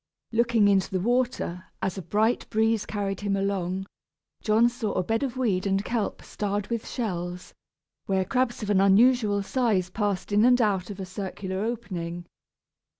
Looking into the water, as a light breeze carried him along, John saw a bed of weed and kelp starred with shells, where crabs of an unusual size passed in and out of a circular opening.